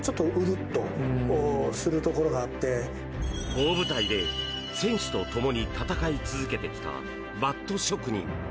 大舞台で選手とともに戦い続けてきたバット職人。